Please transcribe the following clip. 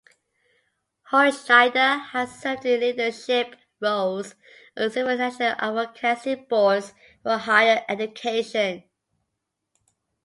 Holtschneider has served in leadership roles on several national advocacy boards for higher education.